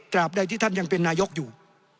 ใดที่ท่านยังเป็นนายกอยู่